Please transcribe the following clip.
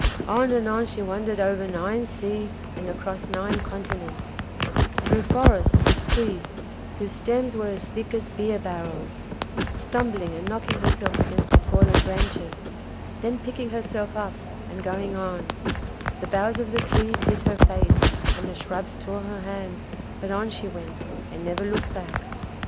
On and on she wandered over nine seas and across nine continents; through forests with trees whose stems were as thick as beer barrels; stumbling and knocking herself against the fallen branches, then picking herself up and going on; the boughs of the trees hit her face, and the shrubs tore her hands, but on she went, and never looked back.